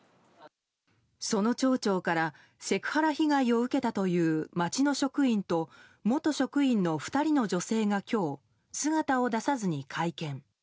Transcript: その町長からセクハラ被害を受けたという町の職員と元職員の２人の女性が今日、姿を出さずに会見。